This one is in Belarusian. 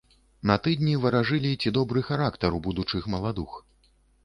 На тыдні варажылі, ці добры характар у будучых маладух.